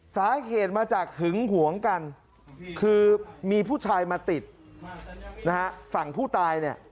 สาเหตุมาจากหึงห่วงกันคือมีผู้ชายมาติดฝั่งผู้ตาย